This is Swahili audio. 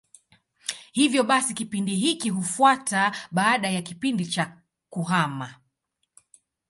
Hivyo basi kipindi hiki hufuata baada ya kipindi cha kuhama.